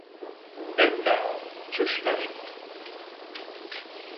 اِناں چوش نہ اِنت